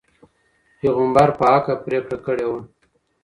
پيغمبر په حقه پرېکړه کړي وه.